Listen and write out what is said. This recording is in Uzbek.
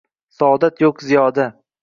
Saodat yo’q ziyoda!»